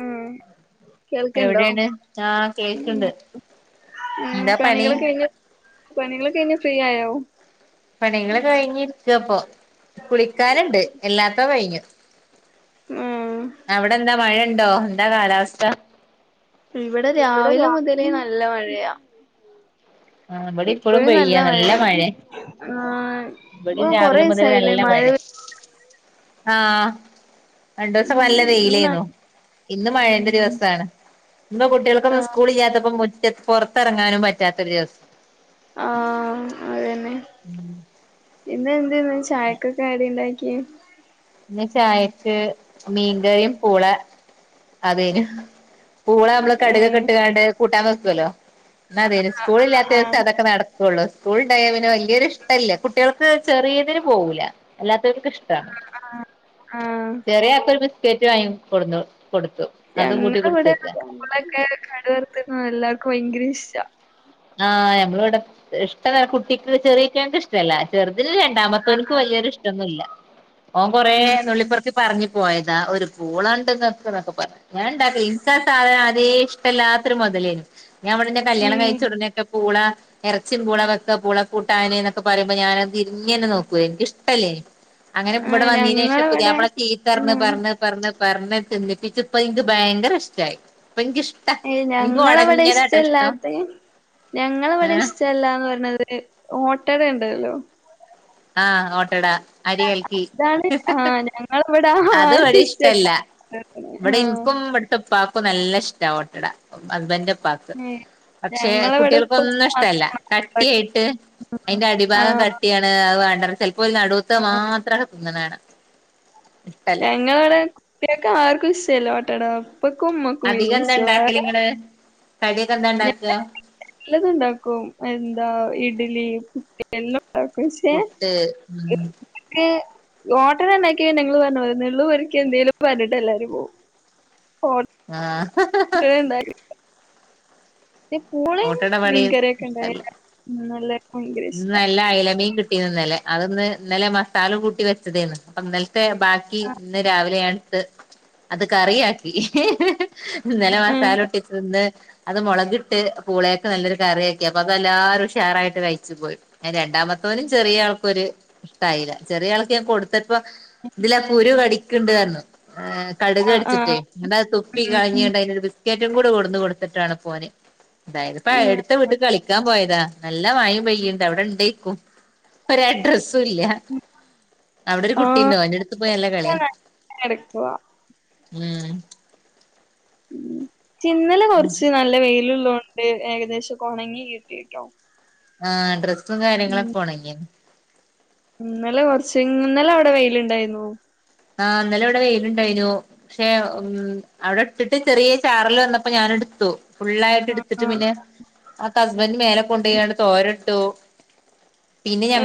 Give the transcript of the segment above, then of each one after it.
ഉം കേൾക്ക്‌ണ്ടോ എവിടെയാണ് ആഹ് കേൾക്ക്ണ്ട് ഉ എന്താ പണി പണികളൊക്കഴിഞ്ഞ് പണികളൊക്കഴിഞ് ഫ്രീയായോ പണികളൊക്കഴിഞ് ഇരിക്ക പ്പൊ കുളിക്കാന്ണ്ട് അല്ലാത്തൊക്കഴിഞ് ഉം അവിടെ എന്താ മഴണ്ടോ എന്താ കാലാവസ്ഥ ഇവിടെ രാവിലെ മുതലേ നല്ല മഴയാ ഇവടെ ഇപ്പളും ഇപ്പഴും പെയ്യാ നല്ല മഴയാണ് മഴേ ആഹ് ഇവിടേം ഇപ്പൊ രാവിലെ മുതൽ കൊറേസായില്ലേ നല്ല മഴ ആ രണ്ടു ദിവസം നല്ല മൂന്നാ വെയിലേന്നു ഇന്ന് മഴേന്റെ ഉം ദിവസാണ് ഇന്ന് കുട്ട്യാൾക്കൊന്നും ആഹ് സ്കൂളില്ലത്തപ്പം മുറ്റത്ത് പൊറത്തെറങ്ങാനും പറ്റാത്തൊരു ദിവസം ആഹ് അതന്നെ [inaudible] ഇന്ന് എന്തേന്നു ചായക്ക് കടി ണ്ടാക്ക്യേ ഇന്ന് ചായക്ക് മീൻകറിയും പൂള അതേനു പൂള നമ്മള് കടുകൊക്കെ ഏഹ് ട്ട്ങ്ങാണ്ട് കൂട്ടാൻ വെക്കോലോ അതെ തെ സ്കൂളില്ലാത്ത ദിവസേ ആഹ് അതൊക്കെ നടക്കുള്ളൂ സ്കൂൾണ്ടായ പിന്നെ വല്യൊരു ഇഷ്ടല്ല കുട്ട്യാക്ക് ചെറിയതിന് പോകൂല്ല അല്ലാത്തോര്ക്കിഷ്ട ആഹ് ചെറിയാക്കൊരു ബിസ്കറ്റ് വാങ്ങി കൊടുന്നു കൊടുത്തു അതും ഞങ്ങള കൂട്ടി ഇവിടെ കുടിച്ചേക്ക പൂളക്കെ കട് വർത്തത് എല്ലാർക്കും ഭയങ്കര ഇഷ്ട ആ ഞമ്മളവ്ടെ ഇഷ്ടല്ല കുട്ടിക്ക് ചെറിഏറ്റങ്ക്ക് ഇഷ്ടല്ല ചെർ തില് രണ്ടാമത്തോൻക്കും വല്യൊരു ഇഷ്ടൊന്നുല്ല ഓ കൊറെ ഉം നുള്ളിപോർക്കി പറഞ്ഞു പോയതാ ഒരു പൂളണ്ട് ങ്ങക്ക്‌ന്നൊക്കെ പറഞ്ട്ട് ഞാണ്ടാ ഇൻക്കാസാധനാദ്യെ ഇഷ്ടല്ല ല്ലാത്തൊരു മൊതലേന് ഞാനിവിടെ ന്റെ കല്യാണംകയ്ഞ് ഏഹ് ക്കെ പൂള എർച്ചിം പൂള വെക്ക പൂള കൂട്ടാനൊക്കെ പറയുമ്പോ ഞാനത് തിരിഞ്ഞന്നേ നോകുലെനി ൻക്ക് ഇഷ്ട ഇഷ്ടല്ലെനി അങ്ങനെ ആ ഇവിടെ വന്നേനേഷം ഞങ്ങളവിടെ പുതിയാപ്പള ആ ചീത്തറഞ് പറഞ് പറഞ് പറഞ് തിന്നിപ്പിച്ചപ്പോ ഇൻക്ക് ഭയങ്കര ഇഷ്ടായി ഇപ്പൊ ഇൻക്കിഷ്ടാ ഏ ഇൻക്ക് ഞങ്ങളവിടെ ഒടഞ്ഞതാട്ടോ ഇഷ്ടം ഇഷ്ടല്ലാത്ത് ഞങ്ങളവിടെ ഏഹ് ഇഷ്ടല്ലാന്ന് പറയോന്നൊരു ഓട്ടട ണ്ടല്ലോ ആ ഓട്ടട അടികൽക്കി അതാണ് ആ ഞങ്ങളിവിടെ ആർക്കും അത്ഇവടിം ഇഷ്ടല്ല ഇവിടെ ആ ഇൻക്കും ഇവിടത്തെ പ്പാക്കും നല്ല ഇഷ്ടാ ഓട്ടട ഹസ്ബൻന്റെ പ്പാക്ക് ഏ പക്ഷെ ഞങ്ങളവിടെ ഉപ്പക്ക് കുട്ട്യാൾക്കൊന്നും ഇഷ്ടല്ല മാത്രാണ് കട്ടിയായിട്ട് അതിന്റെ ആ അടിഭാഗം കട്ടിയാണ് വാണ്ട റയും ചെലപ്പോല് നടുത്തത് ആ മാത്രക്കെ തിന്ന്ണ കാണാ ഞങ്ങളോടെ കുട്ട്യാക്ക്‌ ആർക്കും ഇഷ്ടല്ല ഓട്ടടാ പ്പക്കും അധികം മ്മക്കുംപിന്നിം എന്താ ഇഷ്ട ഇണ്ടാക്കല് വേറെ ഇങ്ങള് കടിയൊക്കെ എന്താ ഇണ്ടാക്കുക എല്ലാതുണ്ടാക്കും എന്താ ഇഡ്ലി പുട്ട് എല്ലാം ണ്ടാക്കും പക്ഷെ പുട്ട് ഉം [unintelligible] ഓട്ടട ഇണ്ടാക്കിയാൽ നിങ്ങള് പറഞ്ഞപോലെ നുള്ളിപ്പാറുക്കി എന്തേലും പറഞ്ഞിട്ട് എല്ലാരും പോകും ആഹ് ഓട്ടട പൂളയും ഓട്ടട ഇവിടേം മീൻകറൊക്കെ ഉണ്ടായ ഇഷ്ടല്ല നല്ല ഭയങ്കര ഇന്ന് ഇഷ്ട നല്ല അയലമീൻ കിട്ടീന്നലെ അതൊന്ന് ഇന്നലെ മസാല കൂട്ടി വെച്ചതേന്ന് അപ്പൊ ത്തെ ബാക്കി ഇന്ന് രാവിലെ ഞാനെട്ത്ത് അത് കറിയാക്കി ഇന്നലെ ഉം മാസാല കൂട്ടിവച്ചത് ഇന്ന് അത് മുളകിട്ട് പൂളയൊക്കെ നല്ലൊരു കറിയക്കി അപ്പൊ അതെല്ലാരരും ഷാറായിട്ട് കഴിക്കും രണ്ടാമത്തവനും ചെറിയ ആൾക്കൊരു ഇഷ്ടമായില്ല ചെറിയ ആൾക്ക് ഞാൻ കൊടു ത്തപ്പോ ഇതിലാ കുരു കടിക്കണ്ട്ന്ന് പറഞ്ഞു കടക് ആ ആ കടിച്ചിട്ടേ എ അത് ഉം ഉം തുപ്പികൾഞാകാണ്ട് അയിന്നൊരു ബിസ്കറ്റ് ബിസ്കറ്റ്കൂട് കൊടന്ന് കൊടുത്തിട്ടാണ്പോന് അതായത് ഇപ്പ ഉം എടുത്ത വീട്ട് കളിക്കാൻ പോയതാ നല്ല മഴയും പെയ്യുന്നണ്ടവിടെയുണ്ടേക്കും ഒരു അഡ്രസ്സ് ഇല്ല അവിടൊരു ആ കുട്ടിയുണ്ടവന്റെ അടുത്തുപോയി നല്ല കളിയാ വാ ഉം ഇന്നലെ, കുറച്ചു നല്ല വെയിലു ഉണ്ട് ഏകദേശമൊക്കെയുണങ്ങികിട്ടീട്ടോ ആ, ഡ്രസ്സും കാര്യങ്ങളൊക്കെ ഒണങ്ങി ഇന്നലെ, കൊറച്ചു ഇന്നലെയവിടെ വെയിലുണ്ടായിരുന്നു ആ.. ഇന്നലെയിവിടെ വെയിയിലുണ്ടായിനു. പക്ഷേ ഉം. അവിടെ ഇട്ടിട്ട് ചെറിയചാറൽവന്നപ്പോ ഞാനെടുത്തു. ആ ഫുള്ളായിട്ടെടുത്തിട്ടു ആ പിന്നെ ആ. കസ്ബൻഡു മേലെകൊണ്ടേയതു തോരെയിട്ടു.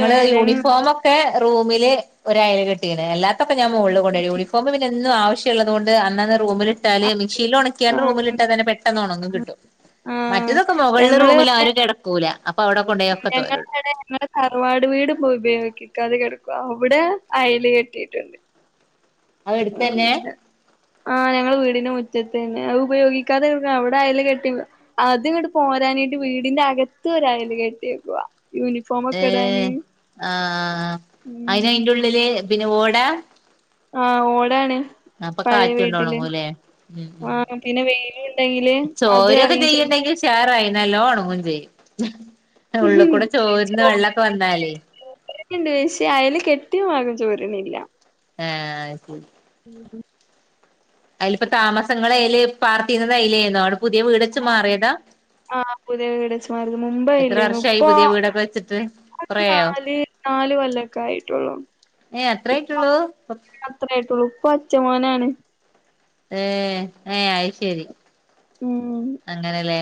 ഏ ഞങ്ങ യൂണിഫോമൊക്കെ റൂമില് ഒരുഅയയിലി ട്ടിങ്ങനെ അല്ലാത്ത അപ്പ ഞാൻ മുകളിൽ കൊണ്ടയിടും. യൂണഫോം പിന്നെയെന്നുമാവശ്യമുള്ളള്ളതു കൊണ്ട് അന്നന്ന് ആ റൂമിലിട്ടാലെ മി മിഷീനിലുണക്കിയാൽ ആ റൂമിലിട്ടാ തന്നെ പെട്ടെ ന്നുണങ്ങി കിട്ടും. ആ മറ്റേതൊക്കെ മുകളിലെ ഞങ്ങള് റൂമിലാരും കിട ക്കൂല, അപ്പൊയവിടെ കൊണ്ടുപോയി ഒക്കെ തോരേയിടും. ഞങ്ങളുടെതറവാട് വീട് പോയി ഉപയോഗിക്കാതെ കിടക്കുവ, അവിടെ അയകള് കെട്ടിയിട്ടുണ്ട് അതു അടുത്തുതന്നെ ആ ഞങ്ങ നമ്മുടെ വീടിനു മുറ്റത്തു തന്നെ അത് ഉപയോഗിക്കാതെ കിടന്ന അവിടെ അയകള്കെട്ടിയതാ അതിങ്ങോട്ടുപോരാഞ്ഞിട്ട് വീടി അകത്തൊരയകെട്ടിയേക്കുവ ഏ ആ അയിന് ഉം അയിന്റെ ഉള്ളില് പിന്നെഓടാ ആ ഓടാണ് കാറ്റൊണ്ട് പഴയവീട്ടില് ഒണങ്ങൂല്ലേ ഉം ഉം ആ പിന്നെ വെയിലുണ്ടെങ്കിലതി റങ്ങിച്ചെന്ന് എന്തെങ്കിലും ഷെയറായി നല്ലോണമുണങ്ങുകയും ചെയ്യും. ഉള്ളിക്കൂടെ ചോരുന്നവെള്ളമൊക്കെ വന്നാലേ ഉണ്ട്പക്ഷേ അയയില് കെട്ടിയഭാകംചോരുന്നില്ല. ആ അതില ഇപ്പ താമസങ്ങള അയല് പാർത്ീുന്നത് അതിലിപ്പം താമസങ്ങള്അതില് പാർത്തിരുന്നത് അയിലാരുന്നു. അവിടെ പുതിയ വീടു വെച്ചുമാറിയതാ ആ പുതിയവീടുവെച്ചുമാറിയതാ മുമ്പേയില്ലായിന്നു. വർഷായി പുതിയ വീടൊക്കെ വെച്ചിട്ട് കൊറേയായോ നാലു കൊല്ലൊക്കെ ആയിട്ടുള്ളു. ഏഹ് അത്രേ ആയിട്ടുള്ളൂ അത്രയേയായിട്ടുളളു ഉപ്പ ചോനാണ് ഏ.. ഏ.. അതുശരി ഉം അങ്ങനെയല്ലേ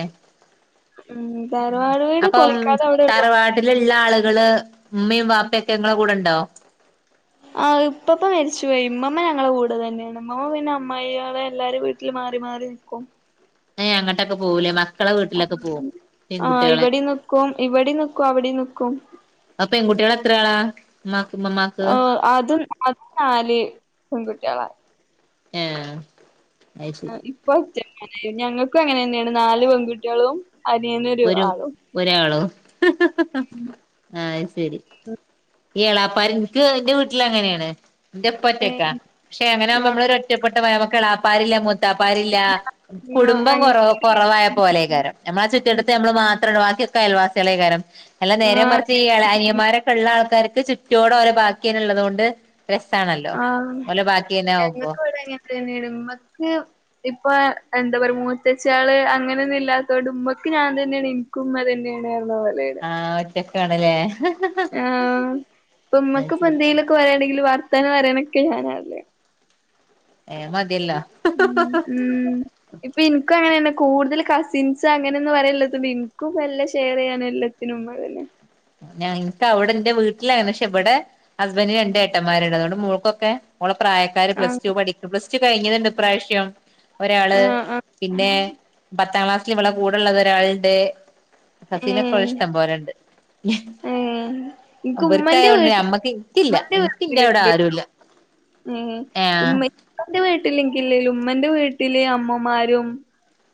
ഉം തറവാട് വീട് അപ്പം പൊളിക്കാതെ അവിടെള്ളു തറവാട്ടിലുള്ള ആളുക കള്, ഉമ്മയും ബാപ്പയുമൊക്കെ നിങ്ങടെ കൂടെയുണ്ടോ ആ ഇപ്പപ്പമരിച്ചു പോയി. ഇമ്മമ്മ ഞങ്ങളടെ കൂടെ തന്നെയാണ്. ഉമ്മപിന്നെ അമ്മായിമാരുടെ എല്ലാരും വീട്ടിലു മാറി മാറി നിൽക്കും നീയ് അങ്ങോട്ടൊക്കെ പോകൂലേ മ.. ആ, ഇവിടെയുംനിക്കും. ഇവിടേം നിക്കും അവിടെം നിക്കും. അപ്പ, പെൺകുട്ടികളെത്രയാളാ ഉമ്മാ ആ അതും, അതുനാലു പെൺകുട്ടികളാ ഏ ഇപ്പൊ, ഞങ്ങൾക്കും അങ്ങനെന്നെയാണ് നാലുപെൺകുട്ടികളും അനിയനൊര് ഒരു ആളും ഒരാളോ ഉം ആഹ് ശരി ഈ എളാപ്പാര് എൻക്ക് എന്റെ വീട്ടില് അങ്ങനെയാണ് എന്റപ്പാ ഉം ഒറ്റക്കാ, പക്ഷേ അങ്ങനൊയാകുമ്പോ നമ്മളൊരു ഒറ്റപ്പെട്ട പയമക്കളാ അപ്പാരങ്കിലും മൊ ചപ്പാരില്ല ആഹ് ആ കുടുംബം അങ്ങനെ കുറ കുറവായപോലെകാരം നമ്മളെ ചുറ്റുവട്ട നമ്മളു മാത്രോള്ളു ബാക്കിയൊക്കെ അയൽവാസികളെകാരം എല്ലാം ആ നേരെ മറിച്ചീ ഇള അനിയമാരൊക്കെള്ള ആൾക്കാര് ന്റെ ചുറ്റോടും ഓരെ ബാക്കില്ലൊയുള്ളതുകൊണ്ട് ആ ആവുമ്പോ ഞങ്ങക്കു ഇവിടെ ഇങ്ങൻ തന്നെയാണ് ഉമ്മക്ക് ഇപ് പ്പോ എന്താ പറയാ മൂത്തച്ച്ചാള് അങ്ങനൊന്നും ഇല്ലാത്തോണ്ട് ഉമ്മയ്ക്ക് ഞാൻ തന്നെയാണ് എനിക്ക് ഉമ്മ തന്നെയാണ്. ഉപ്പ മലയിലാ ക്ക് ആണ് ലേ ആ ഇപ്പമ്മക്ക് ശരി ഇപ്പന്തേലൊക്കെ വേണെങ്കില് വർ ത്താനം പറയാനൊക്കെ ഞാനാണല്ലേ ഏഹ് മതിയല്ലോ ഉം ഉം ഇപ്പൊ ഇൻക്കും അങ്ങനെയാണ് കൂടുതൽ കസിൻസ് അങ്ങനെയൊന്നും വരാനില്ലാത്ത കൊണ്ട് എൻക്കും എല്ലാം ഷെയർ ചെയ്യാന് എല്ലത്തിനും ഉമ്മ തന്നെയാ ഞാൻ എന്ക്ക് അവിടെ എന്റെ വീട്ടിലായിരുന്നു പക്ഷെ ഇവിടെ ഹസ്ബന്റ് രണ്ട് ഏട്ടന്മാരുണ്ട് അതോണ്ട് മോൾക്കൊക്കെ ഓളെ പ്രായക്കാര് ആ പ്ലസ്‌ റ്റൂ പഠി പ്ലസ്‌ ടു കഴിഞ്ഞത്ണ്ട് ഇപ്രാവശ്യം ഒരാള്, ആ ആ പിന്നെ പത്താം ക്ലാസ് സിലും ഇവളെ കൂടെള്ളത് ഒരാളുണ്ട്. കസിനൊക്കെ ഇവിടെ ഉം ഇഷ്ടം പോലണ്ട്. ഏഹ് ഇൻക്ക് ഉമ്മന്റെ അവർക്കായോണ്ട് വീട്ടി അമ്മക്ക് ഇൻക്കില്ല ഇൻക്ക് ഇന്റെവിടെ ആരുല്ല ഉം ആഹ് ഉമ്മ [unintelligible] വീട്ടില്ലെങ്കിലെലും ഉമ്മന്റെ വീട്ടില് അമ്മമാരും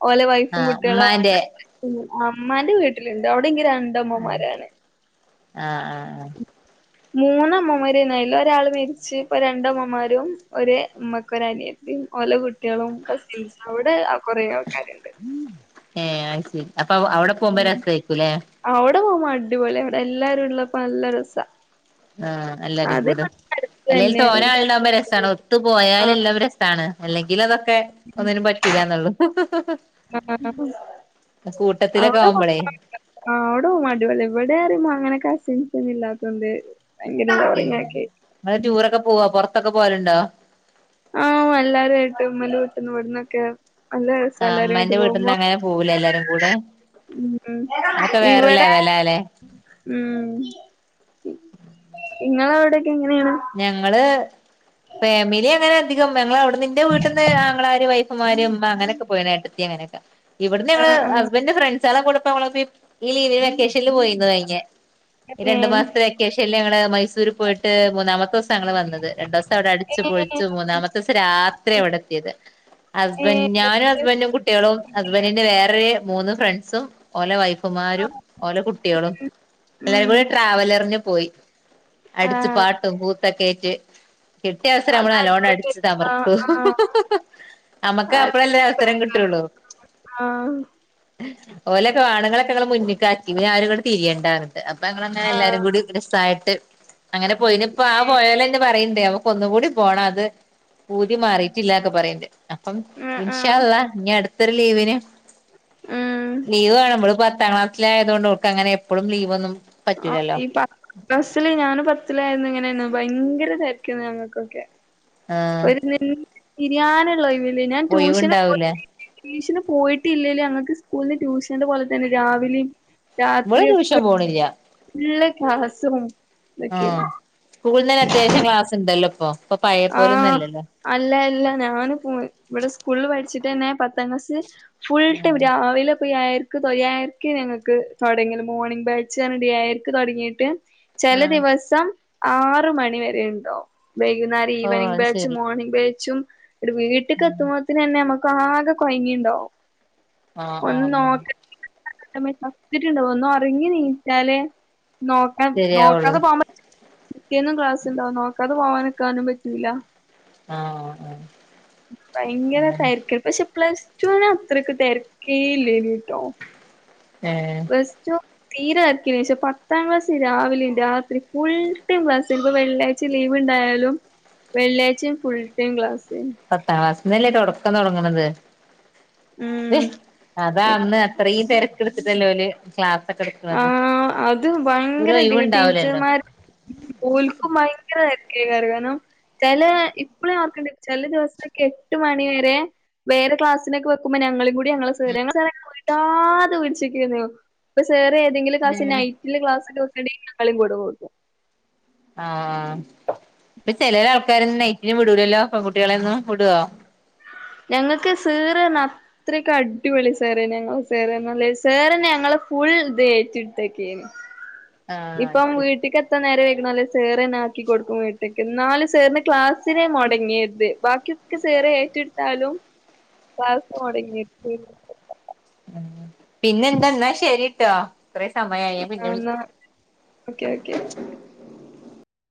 ഓലെ വൈഫും ആഹ് കുട്ടികളും അവ്ടെ ഉമ്മാന്റെ ഉം അമ്മാന്റെ വീട്ടിലുണ്ട് അവി വിടെങ്കി രണ്ടമ്മമാരാണ്. ആ ആഹ് ആ മൂന്നമ്മമാരുംന്നായില്ല ഒരാള് മരിച്ച് ഇപ്പൊ രണ്ടമ്മമാരും ഒ അമ്മക്ക് ഒരനിയ ഓല കുട്ട്യാ ളും കസിൻസും അവിടെ കൊറെ ആൾക്കാരുണ്ട്. ഏ അത്ശരി അപ്പൊ അ അവിടെ പോകുമ്പോ രസായിരിക്കും ല്ലേ അവിടെ പോകുമ്മ അടിപൊളിയാ അവിടെ എല്ലാരും ഉള്ളപ്പോ നല്ല രസാ ആ എല്ലാരും അത് കൂട ഇവടെ അടുത്ത് അല്ലേൽ തന്നേണ് തോന ആൾണ്ടാവുമ്പോ രസാണ്. ഒത്തു ആഹ് പോയാലെല്ലാവരും രസാണ് അല്ലെങ്കിൽ അതൊ ക്കെ ഒന്നിനും പറ്റില്ലാന്നുള്ളു ആഹ് അ സൂട്ടത്തിലൊക്കെ ആവുമ്പൊളേ ആ അവിടോ അടിപൊളി എവിടെ ആരൂല്ല അങ്ങനെ കസിൻസൊന്നും ഇല്ലാത്തോണ്ട് ഭയങ്കര ഉം ബോറിംഗ് ആക്കി ഇങ്ങള് ടൂരൊക്കെ പോവാ പൊർത്തൊക്കെ പോവലുണ്ടോ? ആ വല്ലാരും ആയിട്ടും മ്മലട്ടുന്ന ഇവിടുന്നൊക്കെ അല്ലെ ആഹ് സലറി ആയിട്ട് ഇമ്മാന്റെ വീട്ടിന്ന് പോവുമ്പോ അങ്ങനെ പോവൂലേ എല്ലാരും കൂടെ ഉം അതൊക്കെ വേറെ ഇവിടെ ലെവലാല്ലേ ഉം ഉം [unintelligible] നിങ്ങളവിടെ ഞങ്ങള് ഫാമിലി അങ്ങനെ അധികം ഞങ്ങള് അവിടെന്ന് എന്റെ വീട്ടിന്ന് ആങ്ങളാര് വൈ ഫുമാര് ഉമ്മ അങ്ങനെയൊക്കെ പോയ ഏട്ടത്തി അങ്ങനൊക്കെ ഇവിടെന്ന് ഞങ്ങള് ആഹ് ആഹ് ഹസ്ബന്റ് ഫ്രണ്ട് [unintelligible] ലീ വെക്കേഷൻല് പോയി കഴിഞ്ഞെ രണ്ട് ഏഹ് മാസത്തെ വെക്കേഷ ല് ഞങ്ങള് മൈസൂര് പോയിട്ട് മൂന്നാമത്തെ ദിവസ ഞങ്ങള് വന്നത്. രണ്ടു ദിവസം അവിടെ അടിച്ചു പൊളിച്ചു മൂന്നാമത്തെ ദിവസം രാത്രി അവിടെ എത്തിയത്. ഹസ്ബൻ് ഏഹ് ഞാനും ഹസ്ബൻറും കുട്ടികളും ഹസ്ബൻറിന്റെ വേറെ മൂന്ന് ഫ്രണ്ട്സും ഒലെ വൈഫും കുമാരും ഓലെ കുട്ടികളും എല്ലരും ഉം കൂടി ട്രാവലറിഞ്ഞു പോയി അടുച് ആഹ് പാട്ടും കൂത്തും ഒക്കെ കേട്ട് കിട്ടിയ അവസരം അത് നമ്മൾ അലോണ്ട് അടിച്ചു അടിപൊളിയായിരിക്കും ആഹ് തമർത്തു ആഹ് നമ്മക്ക് അപ്പഴ എല്ല അവസരം കിട്ടുള്ളു ആ ഓലൊക്കെ കാണങ്ങളൊക്കെ ഇങ്ങങ്ങള് മുന്നിൽിക്കറ്റി ഞും ഇൂടെ തിരിയണ്ടായിരുന്നു അപ്പൊ അങ്ങങ്ങനെ എല്ലാരും ആഹ് കൂടി രസായിട്ട് അങ്ങനെ പോയിനി ഇപ്പ ആ പോയാലെന്നെ പറയണ്ടാവോ ഒന്നുകൂടി പോണം അത് പൂതി മാറിയിട്ടില്ല ഒക്കെ പറയണ്ട് അപ്പം ആഹ് ഇൻഷാ ആഹ് അള്ള ഇനി അടുത്തൊരു ലീവിന് ഉം ലീവ് വേണ്പൾ പത്താം ക്ലാസ്സില ആയത കൊണ്ട് ഉർക്ക് അങ്ങനെ എപ്പഴും ലീവ് ഒന്നും ഈ പ ക്ലസില് ഞാനും പത്തിലായിരുന്നു ഇങ്ങനെയാണ് ഭയങ്കര രിക്കന്ന് ഞങ്ങൾക്കൊക്കെ ആഹ് ഒരു തിരിയാനുള്ളോയിവില്ല ഞാൻ ട്യൂഷന് പോയി ഒഴിവുണ്ടാവൂല ട്യൂഷന് പോയിട്ടില്ലേലോ അങ്ങക്ക് സ്കൂളിന് ട്യൂഷൻന്റെ പോലെ തന്നെ രാവിലെയും ഇവള് ട്യൂഷൻ രാത്രിയൊക്കെ പോണില്ല. [unintelligible] ആ സ്കൂളിൽന്നന്നെ അത്യാവശ്യം ക്ലാസ് ഇണ്ടല്ലോപ്പൊ. ആ അല്ല അല്ല ഞാനിപ്പോ ഇവിടെ സ്കൂളിൽ പഠിച്ചിട്ട്ന്നെ പ തഗ്ലാസ് ഫുൾ ടൈം ഉം രാവിലെ ഏയരക്ക് ഏയരക്ക് ഞങ്ങൾക്ക് തുടങ്ങല്. മോർണിംഗ് ബാച്ച് ഏയരക്ക് തൊടങ്ങീട്ട് ചെല ആഹ് ദിവസം ആറ് മണി വരെ ഇണ്ടാകും. വൈ വൈന്നേര ഓഹ് ഈവനിംഗ് അത് ബാച്ചും ശരി മോർണിംഗ് ബേച്ചും ഒരു വീട്ടിൽക്ക് ഉം എത്തുമ്പോത്തിന് തന്നെ നമ്മക്ക് ആകെ കൊയങ്ങിണ്ടാവും. ആ ആ ആ ചത്തിട്ടുണ്ടാകും ഒന്നും ഒറങ്ങി നീച്ചാല് നോക്കാ ശരിയാവുള്ളൂ നോക്കാതെ പോകൻ പറ്റൂ പിറ്റേന്നും ക്ലാസ്ണ്ടാവും നോക്കാതെ പോകാതെ നിക്കാനും പറ്റൂല. ആഹ് ആഹ് ഭയങ്കര അതന്നെ തരിക്ക പക്ഷെ പ്ലസ്ട്യൂന് അത്രക്ക് തിരക്കേ ഇല്ലേന്നുട്ടോ. ഏഹ് ബസ്സ്റ്റോപ്പ് തീരെ തെരക്കില്ലേന്നു. പക്ഷേ പത്താം ക്ലാസ് രാവിലെയും രാത്രി ഫുൾ ടൈം ക്ലാസ്സ് വെള്ളിയാഴ്ച ലീവ്. ണ്ടായാലും വെള്ളിയാഴ്ച്ചയും ഫുൾ ടൈം ക്ലാസ്. പത്താം ക്ലാസ്സിന്നല്ലേ തുടക്കം തുടങ്ങണത് ഉം അതാ അന്ന് അത്രയും തിരക്കെടുത്തിട്ടല്ലോ ക്ലാസ് ആ അത് ഭയങ്കരാടി ഒഴിവുണ്ടാവൂലല്ലോ ടീച്ചർമാര് ഓൽകും ഭയങ്കര തെരക്കയ്ക്കാരം കാരണം ചെലെ ഇപ്പളും ഞാൻ ഓർക്ണ്‌ണ്ട് ചെല ദിവസൊക്കെ എട്ട് മണിവരെ വേറെ ക്ലാസ്സിനൊക്കെ വെക്കുമ്പോ ഞാ ഞങ്ങളീംകൂടെ ഞങ്ങളെ സാർ വിടാതെ പിടിച്ച്ക്കെരുന്നു. സാർ ഏതെങ്കിലും ക്ലാസ് ഏഹ് നൈറ്റില് ക്ലാസ് ഒക്കെ വെക്കേണ്ടെങ്കിൽ ഞങ്ങളെ കൂടെ കൂട്ടും. ആ ഇപ്പൊ ചെലെ ആൾക്കാരൊന്നും നൈറ്റിന് വിടൂലല്ലോ പെൺകുട്ട്യേലൊന്നും, വിടോ? ഞങ്ങൾക്ക് സേറ്ന്ന് പറഞ്ഞ അത്രക്ക് അടിപൊളി സാറെന്നു ഞങ്ങളെ സേറ്ന്ന് പറഞ്ഞാല്. സേറന്നെ ഞങ്ങളെ ഫുൾ ഇത് ഏറ്റെടുത്തിരിക്കെയിരുന്നു. ആഹ് ഇപ്പം ശരി വീട്ട്ക്ക് എത്താൻ നേരം വയ്ക്ണോലെ സേറെന്ന ആക്കി കൊടുക്കും വീട്ട്ക്ക്. ന്നാലും സേറിന് ക്ലാസ് ത്തിന് മുടങ്ങിയരുത് ബാക്കിയൊക്കെ സേറെ ഏറ്റെടുത്താലും ക്ലാസ് മൊടങ്ങരുത്. പിന്നെന്താെന്നാ ശരിട്ടോ. അത്രം സമയായി ആ പിന്നെ വിളിക്ക എന്നാ ഓക്കെ ഓക്കെ